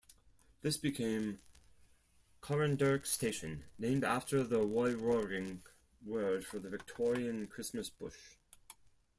This became Coranderrk Station, named after the Woiwurrung word for the Victorian Christmas bush.